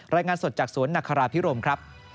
รายงานสดจากสวนนาคาราพิรมครับ